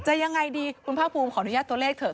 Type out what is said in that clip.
ยังไงดีคุณภาคภูมิขออนุญาตตัวเลขเถอ